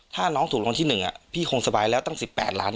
ถ้าน้องถูกรางวัลที่๑พี่คงสบายแล้วตั้ง๑๘ล้าน